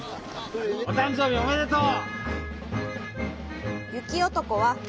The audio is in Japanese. おたんじょうびおめでとう！